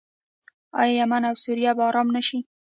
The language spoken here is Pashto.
آیا یمن او سوریه به ارام نشي؟